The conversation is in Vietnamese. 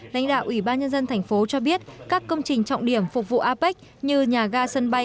lãnh đạo ủy ban nhân dân thành phố cho biết các công trình trọng điểm phục vụ apec như nhà ga sân bay